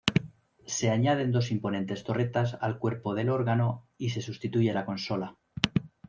Se añaden dos imponentes torretas al cuerpo del órgano y se sustituye la consola.